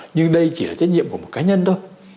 nhưng đây chỉ là trách nhiệm của một cá nhân thôi